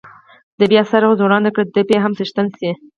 ده بیا سر ځوړند کړ، ته به یې هم څښتن شې.